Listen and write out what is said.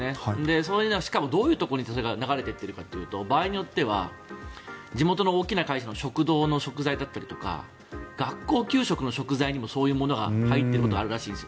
そういうのはしかもどういうところに流れていっているかというと場合によっては地元の大きな会社の食堂の食材とか学校給食の食材にもそういうものが入っていることがあるらしいです。